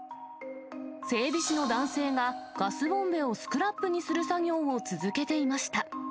整備士の男性がガスボンベをスクラップにする作業を続けていました。